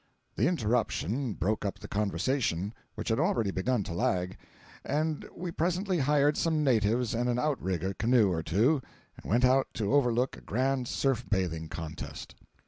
The interruption broke up the conversation, which had already begun to lag, and we presently hired some natives and an out rigger canoe or two, and went out to overlook a grand surf bathing contest.